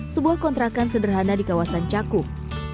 sebuah kontrakan sederhana di kawasan cakung